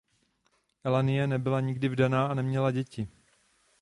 Elaine nebyla nikdy vdaná a nemá děti.